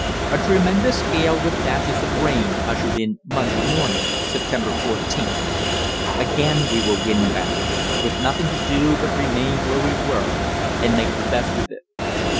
A tremendous gale with dashes of rain ushered in Monday morning, September 14th. Again we were windbound, with nothing to do but remain where we were and make the best of it.